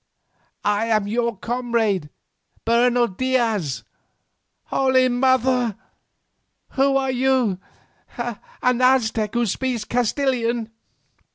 I am your comrade, Bernal Diaz. Holy Mother! who are you? An Aztec who speaks Castilian?"